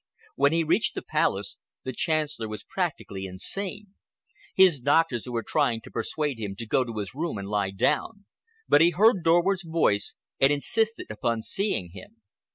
When he reached the Palace, the Chancellor was practically insane. His doctors were trying to persuade him to go to his room and lie down, but he heard Dorward's voice and insisted upon seeing him.